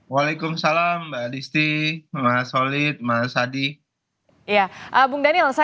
waalaikumsalam mbak adisti mas holid mas adi